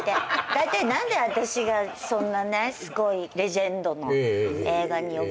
だいたい何で私がそんなすごいレジェンドの映画に呼ばれたのか。